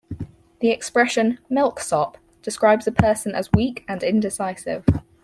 The expression "milksop" describes a person as weak and indecisive.